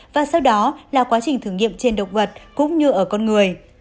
và sau đó là quá trình thử nghiệm trên động vật cũng như ở con người